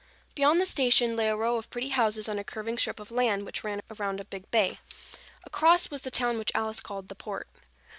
Beyond the station lay a row of pretty houses on a curving strip of land which ran around a big bay. Across, was the town which Alice called the Port.